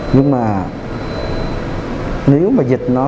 nhưng mà nếu mà dịch nó không được